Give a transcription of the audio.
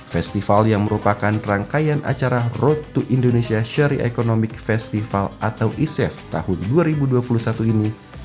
festival yang merupakan rangkaian acara road to indonesia shary economic festival atau isef tahun dua ribu dua puluh satu ini